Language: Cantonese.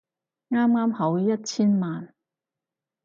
啱啱好一千萬